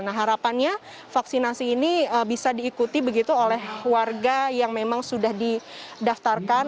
nah harapannya vaksinasi ini bisa diikuti begitu oleh warga yang memang sudah didaftarkan